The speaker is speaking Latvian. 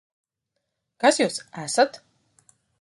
Kas jūs esat?